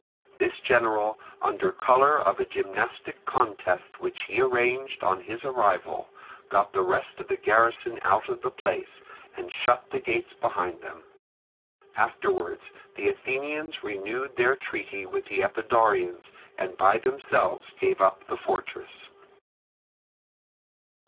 This general, under colour of a gymnastic contest which he arranged on his arrival, got the rest of the garrison out of the place, and shut the gates behind them. Afterwards the Athenians renewed their treaty with the Epidaurians, and by themselves gave up the fortress.